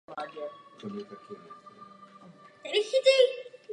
Z bývalého osvoboditele země je nyní její kat.